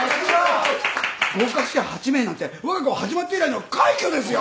合格者８名なんてわが校始まって以来の快挙ですよ。